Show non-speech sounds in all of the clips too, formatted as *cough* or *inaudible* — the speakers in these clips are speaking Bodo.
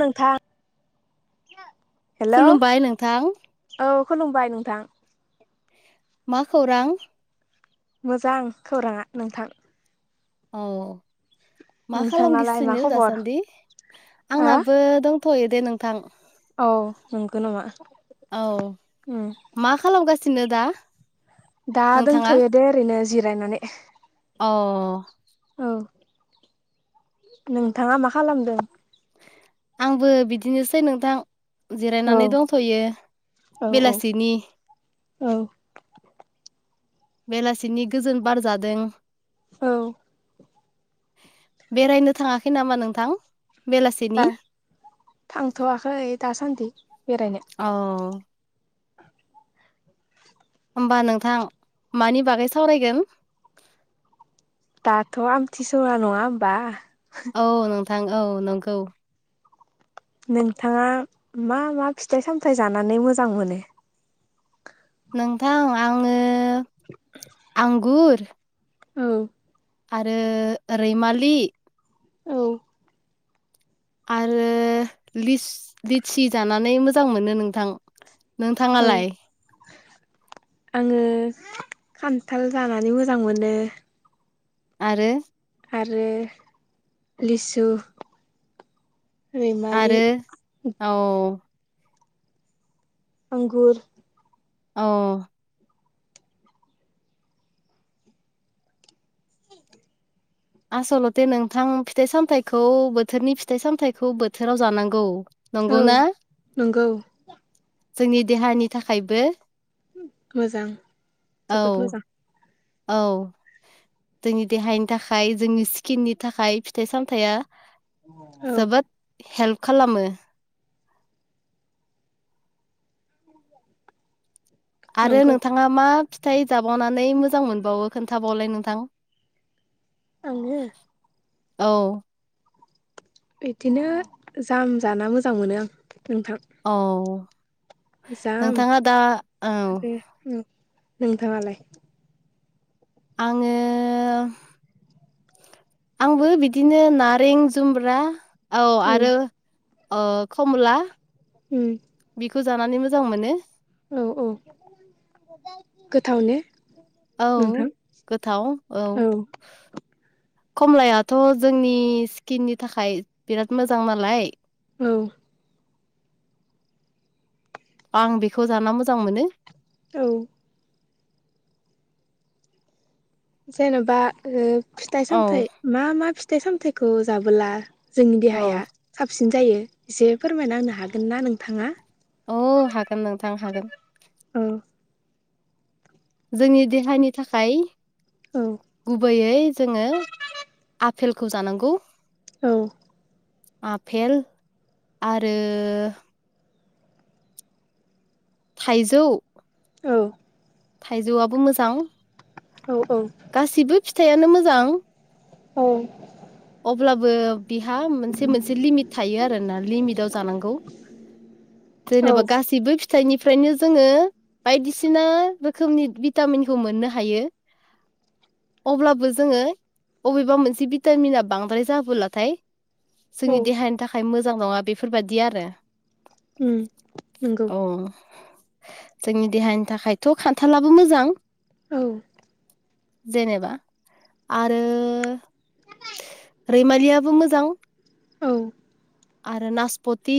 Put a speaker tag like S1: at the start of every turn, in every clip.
S1: नोंथां *inaudible*
S2: खुलुमबाय नोंथां
S1: औ खुलुमबाय नोंथां
S2: मा खौरां
S1: मोजां खौराङा नोंथां
S2: औ मा
S1: नोंथांनालाय मा
S2: खालामगिसोननो
S1: खबर
S2: दासान्दि
S1: हा
S2: आंनाबो दं थयो दे नोंथां
S1: औ नंगौ नङा
S2: औ मा खालामगासिनो दा
S1: दा
S2: नोंथाङा
S1: दंथयो दे ओरैनो जिरायनानै
S2: औ
S1: औ। नोंथांआ मा खालामदों?
S2: आंबो बिदिनोसै नोंथां।
S1: औ
S2: जिरायनानै दंथ'यो
S1: औ औ
S2: बेलासिनि।
S1: औ।
S2: बेलासिनि गोजोन बार जादों।
S1: औ।
S2: बेरायनो थांङाखै नामा नोंथां? बेलासिनि
S1: दा थांथ'वाखै दासान्दि बेरायनो
S2: *inaudible* अ होमबा नोंथां मानि बागै सावरायगोन?
S1: दाथ' आमथिसवा नंङा होमबा?
S2: औ नोंथां औ नंगौ।
S1: नोंथांङा मा-मा फिथाइ-सामथाइ जानानै मोजां मोनो?
S2: नोंथां आंङो आंगुर
S1: औ।
S2: आरो रैमालि
S1: औ।
S2: आरो लिच लिचि जानानै मोजां मोनो नोंथां। नोंथांङालाय?
S1: आंङो खान्थाल जानानै मोजां मोनो।
S2: आरो
S1: आरो लिसु रैमालि
S2: आरो औ
S1: आंगुर
S2: औ। आस'लथे नोंथां फिथाइ-सामथाइखौ बोथोरनि फिथाइ सामथाइखौ बोथोरआव जानांगौ।
S1: औ
S2: नंगौना
S1: नंगौ।
S2: जोंनि देहानि थाखायबो
S1: मोजां
S2: औ
S1: जोबोद मोजां।
S2: औ जोंनि देहानि थाखाय जोंनि स्किननि थाखाय फिथाइ सामथाइया
S1: औ
S2: जोबोद हेल्प खालामो। आरो
S1: नंगौ
S2: नोंथांङा मा फि थाइ जाबावनानै मोजां मोनबावो खोनथाबावलाय नोंथां?
S1: आंङो?
S2: औ
S1: बिदिनो जाम जाना मोजां मोनो आं। नोंथां
S2: औ
S1: जाम
S2: नोंथाङा दा औ
S1: आरो नोंथांङालाय?
S2: आंङो आंबो बिदिनो नारें जुम्ब्रा औ आरो अ खमला
S1: उम
S2: थुजानानै मोजां मोनो।
S1: औ औ गोथाव ने?
S2: औ
S1: नोंथां
S2: गोथाव औ। खमलायाथ' जोंनि स्किननि थाखाय बिराद मोजां नालाय
S1: औ।
S2: आं बेखौ जाना मोजां मोनो।
S1: औ। जेन'बा ओ
S2: औ
S1: फिथाइ-सामथाइ मा-मा फिथाइ-सामथाइखौ जाबोला जोंनि
S2: औ
S1: देहाया साबसिन जायो एसे फोरमायना होनो हागोन ना नोंथाङा
S2: औ हागोन नोंथां हागोन।
S1: औ
S2: जोंनि देहानि थाखाय
S1: औ
S2: गुबैयै जोङो आफेलखौ जानांगौ
S1: औ
S2: आफेल आरो थाइजौ
S1: औ
S2: थाइजौआबो मोजां
S1: औ औ
S2: फिथायानो मोजां
S1: औ
S2: अब्लाबो बिहा मोनसे मोनसे लिमिट थायो आरो ना लिमिटाव जानांगौ
S1: औ
S2: जेनेबा गासैबो फिथाइनिफ्रायनो जोङो बायदिसिना रोखोमनि भिटामिनखौ मोननो हायो। अब्लाबो जोङो अबेबा मोनसे भिटामिना बांद्राय जाबोलाथाय जोंनि देहानि थाखाय मोजां नङा बेफोरबादि आरो।
S1: उम नंगौ।
S2: औ जोंनि देहानि थाखायथ' खान्थालाबो मोजां।
S1: औ।
S2: जेनेबा आरो रैमालियाबो मोजां।
S1: औ।
S2: आरो नासपति।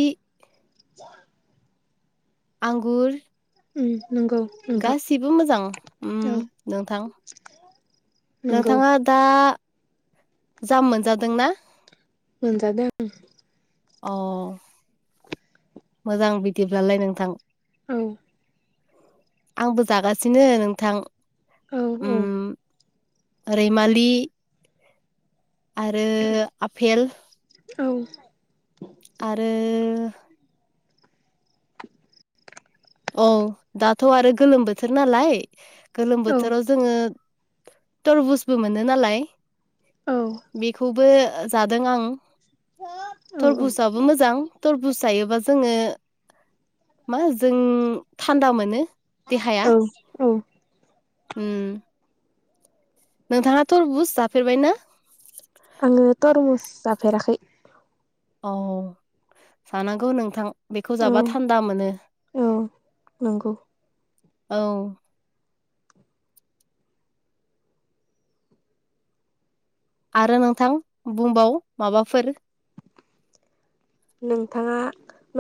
S1: *inaudible*
S2: आंगुर।
S1: नंगौ नोंथां
S2: गासिबो मोजां उम नोंथां।
S1: नंगौ
S2: नोंथाङा दा जाम मोनजादोंना।
S1: मोनजादों।
S2: अ मोजां बिदिब्लालाय नोंथां।
S1: औ।
S2: आंबो जागासिनो नोंथां।
S1: औ
S2: उम
S1: औ।
S2: रैमालि। आरो आफेल।
S1: औ
S2: आरो औ दाथ' आरो गोलोम बोथोर नालाय गोलोम
S1: औ
S2: बोथोराव जोङो थरबुजबो मोनो नालाय
S1: औ
S2: बेखौबो जादों आं
S1: औ
S2: थरबुसाबो मोजां थरबुज जायोबा जोङो मा जों थान्दा मोनो। देहाया
S1: औ औ।
S2: उम। नोंथाङा थरबुस जाफेरबायना?
S1: आङो तरमुस जाफेराखै।
S2: औ जानांगौ नोंथां। बेखौ
S1: औ
S2: जाबा थान्दा मोनो
S1: औ नंगौ
S2: औ। आरो नोंथां बुंबाव माबाफोर
S1: नोंथाङा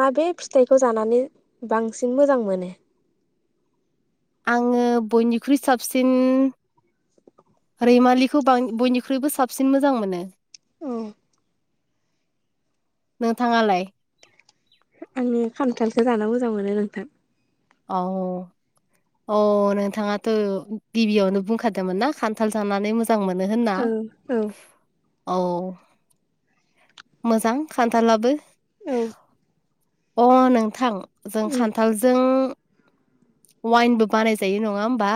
S1: माबे फिथाइखौ जानानै बांसिन मोजां मोनो।
S2: आङो बयनिख्रुइ साबसिन रैमालिखौ बां-बयनिख्रुइबो साबसिन मोजां मोनो।
S1: औ।
S2: नोंथाङालाय
S1: आंनि खान्थालखौ जानो मोजां मोनो नोंथां।
S2: औ। अ नोंथाङाथ' गिबियावनो बुंखादोंमोन ना खान्थाल जानानै मोजां मोजां मोनो होनना
S1: औ औ
S2: औ। मोजां खान्थालाबो
S1: औ।
S2: अ नोंथां जों
S1: उम
S2: खान्थालजों वाइनबो बानायजायो नङा होमबा?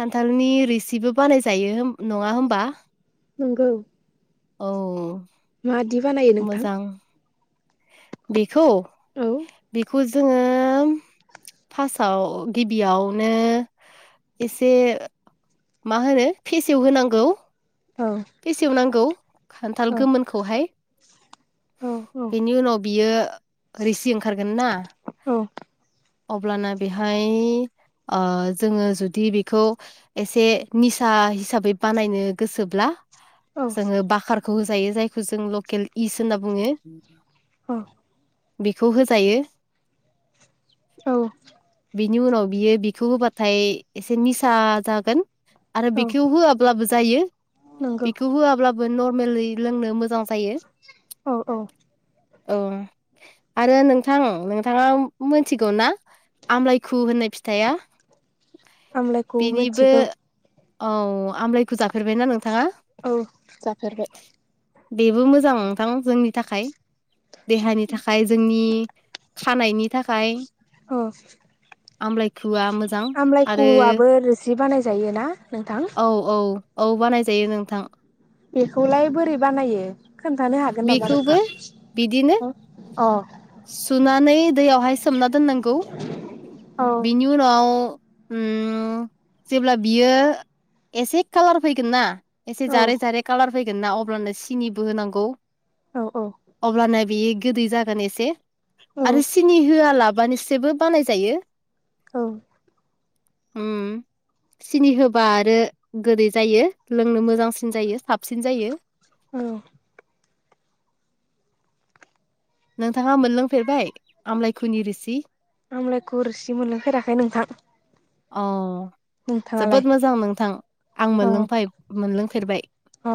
S2: खान्थालनि रिसिबो बानाय जायो नङा होमबा?
S1: नंगौ।
S2: औ।
S1: मादि बानायो नोंथां?
S2: मोजां बेखौ
S1: औ
S2: बेखौ जोङो फार्स्टआव गिबियावनो एसे मा होनो फेसेव होनांगौ।
S1: औ
S2: बेसेवनांगौ खान्थाल
S1: औ
S2: गोमोनखौहाय
S1: औ
S2: बेनि उनाव बियो रिसि ओंखारगोन ना
S1: औ
S2: अब्लाना बेहाय ओ जोङो जुदि बेखौ एसे निसा हिसाबै बानायनो गोसोब्ला जोङो बाकारखौ होजायो जायखौ जों लकेल इस होनना बुङो।
S1: औ।
S2: बेखौ होजायो।
S1: औ।
S2: बिनि उनाव बियो बिखौ होबाथाय एसे निसा जागोन। आरो
S1: औ
S2: बेखौ होआब्लाबो जायो
S1: नंगौ
S2: बेखौ होआब्लाबो नर्मेल लोंनो मोजां। जायो
S1: औ औ।
S2: औ। आरो नोंथां नोंथाङा मोनथिगौ ना आमलायखु होननाय फिथाइया
S1: आमलायखौ
S2: बेनिबो
S1: मिथिगौ।
S2: औ आमलायखौ जाफेरबाय नों?
S1: औ जाफेरबाय।
S2: बेबो मोजां नोंथां जोंनि थाखाय देहानि थाखाय जोंनि खानायनि थाखाय
S1: औ
S2: आमलाइ *unintelligible* आ मोजां आरो
S1: आमलायखुआबो रोसि बानायजायो ना नोंथां
S2: औ औ। औ बानायजायो नोंथां।
S1: बेखौलाय बोरै बानायो खोन्थानो हागोन नामा
S2: बेखौबो
S1: नोंथां?
S2: बिदिनो
S1: अ
S2: सुनानै दैयावहाय सोमना दोननांगौ।
S1: औ
S2: बिनि उनाव ओम जेब्ला बियो एसे कालार फैगोन ना एसे
S1: औ
S2: जारे जारे कालार फैगोन ना अब्लानो सिनिबो होनांगौ।
S1: औ औ।
S2: अब्लानो बेयो गोदै जागोन एसे
S1: औ
S2: आरो सिनि होआलाबानोसोबो बानाय जायो।
S1: औ।
S2: ओम। सिनि होबा आरो गोदै जायो लोंनो मोजांसिन जायो साबसिन जायो।
S1: औ।
S2: नोंथाङा मोनलांफेरबाय आमलायखुनि रोसि?
S1: आमलायखौ रोसि मोनलोंफेराखै नोंथां।
S2: अ।
S1: नोंथाङालाय
S2: जोबोद मोजां नोंथां आं मोनलोंफाय मोनलोंफेरबाय।
S1: अ।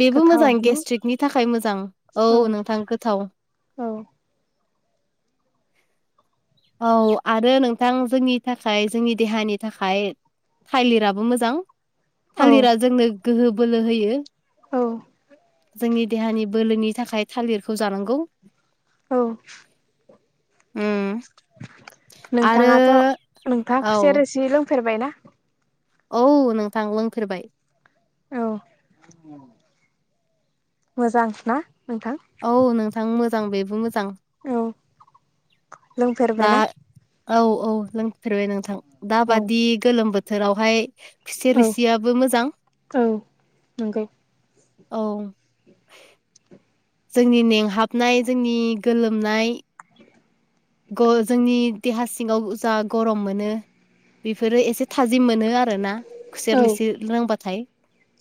S2: बेबो मोजां गेस्ट्रिकनि थाखाय मोजां औ नोंथां गोथाव। *inaudible*
S1: औ
S2: औ आरो नोंथां जोंनि थाखाय जोंनि देहानि थाखाय थालिराबो मोजां।
S1: औ
S2: थालिरा जोंनो गोहो बोलो होयो।
S1: औ
S2: जोंनि देहानि बोलोनि थाखाय थालिरखौ जानांगौ।
S1: औ।
S2: उम आरो
S1: नोंथाङाथ' नोंथाङा खुसेर
S2: औ
S1: रोसि लोंफेरबायना?
S2: औ नोंथां लोंफेरबाय।
S1: औ मोजां ना? नोंथां
S2: औ नोंथां मोजां बेबो मोजां।
S1: औ लोंफेर
S2: दा
S1: बायना?
S2: औ औ लोंफेरबाय नोंथां
S1: औ
S2: दााबादि गोलोम बोथोरावहाय खुसेर
S1: औ
S2: रोसियाबो मोजां।
S1: औ नंगौ
S2: औ जोंनि मेंहाबनाय जोंनि गोलोमनाय ग जोंनि देहा सिङाव जा गरम मोनो बेफोरो एसे थाजिम मोनो आरोना
S1: औ
S2: खुसेर रोसि लोंबाथाय।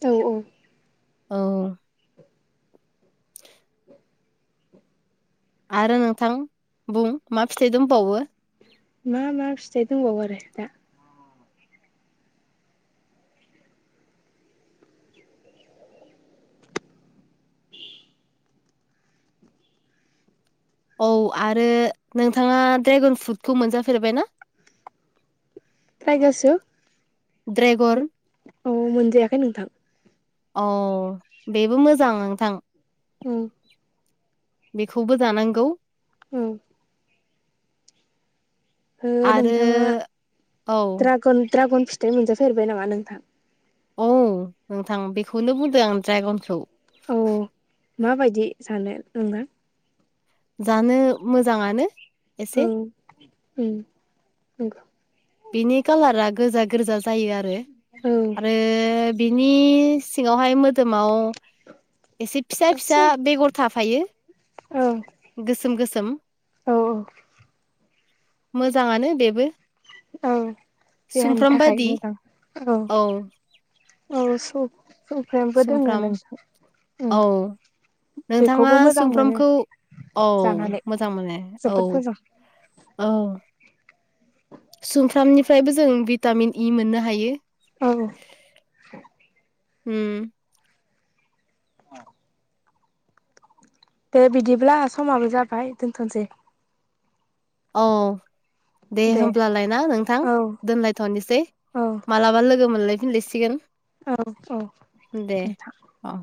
S1: औ औ
S2: औ आरो नोंथां बुं मा फिथाइ दंबावो?
S1: मा मा फिथाइ दंबावो आरो दा
S2: औ आरो नोंथाङा ड्रेगन फ्रुटखौ मोनजाफेरबाय ना? *inaudible*
S1: ड्रेगन सो *unintelligible*
S2: ड्रेगर
S1: औ मोनजायाखै नोंथां
S2: औ बेबो मोजां नोंथां।
S1: उम
S2: बेखौबो जानांगौ
S1: औ ओ
S2: आरो
S1: नोंथाङा
S2: औ
S1: ड्रागन ड्रागन फिथाइ मोनजाफेरबाय नामा नोंथां?
S2: औ नोंथां बेखौनो बुंदों आं ड्रागनखौ।
S1: औ माबायदि सानो नोंना?
S2: जानो मोजाङानो
S1: औ
S2: एसे
S1: औ
S2: बिनि कालारा गोजा-गोरजा जायो आरो
S1: औ
S2: आरो बिनि सिङावहाय मोदोमाव एसे फिसा-फिसा बेगर थाफ फायो गोसोम-गोसोम।
S1: औ औ
S2: मोजाङानो बेबो
S1: औ देहानि
S2: सुमफ्राम
S1: थाखाय
S2: बादि
S1: मोजां औ औ स
S2: समफ्राम
S1: उम
S2: औ नोंथाङा
S1: बेखौबो मोजां मोनो
S2: सुमफ्रामखौ औ
S1: जानानै
S2: मोजां मोनो औ
S1: जोबोद मोजां
S2: ओ सुमफ्रामनिफ्रायबो ज जों भिटामिन इ मोननो हायो।
S1: औ
S2: उम
S1: औ। *unintelligible* दे बिदिब्ला समाबो जाबाय दोनथ'सै
S2: अ दे होमब्लालायना नोंथां
S1: औ
S2: दोनलायथ'नोसै
S1: औ
S2: मालाबा लोगो लोगो मोनलायफिनलायसिगोन
S1: औ औ
S2: दे
S1: नोंथां
S2: अ